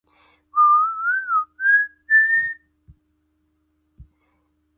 關註永雛塔菲謝謝喵